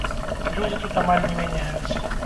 Людзі тут амаль не мяняюцца.